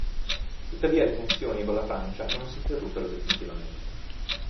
Tuttavia le tensioni con la Francia non si interruppero definitivamente.